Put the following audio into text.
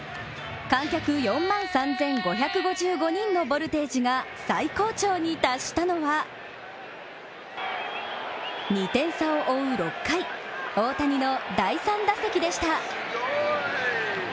観客４万３５５５人のボルテージが最高潮に達したのは２点差を追う６回、大谷の第３打席でした。